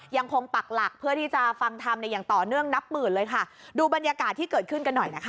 ปักหลักเพื่อที่จะฟังทำเนี่ยอย่างต่อเนื่องนับหมื่นเลยค่ะดูบรรยากาศที่เกิดขึ้นกันหน่อยนะคะ